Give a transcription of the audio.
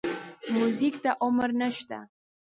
موزیک ته عمر نه شته.